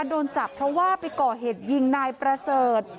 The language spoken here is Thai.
โดนจับเพราะว่าไปก่อเหตุยิงนายประเสริฐ